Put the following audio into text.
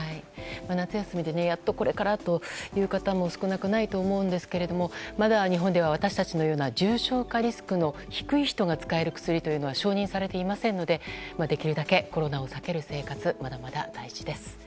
夏休みでやっとこれからという人は少なくないと思いますがまだ日本では私たちのような重症化リスクの低い人たちが使える薬というのは承認されていませんのでできるだけコロナを避ける生活まだまだ大事です。